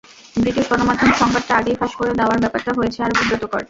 British গণমাধ্যম সংবাদটা আগেই ফাঁস করে দেওয়ায় ব্যাপারটা হয়েছে আরও বিব্রতকর।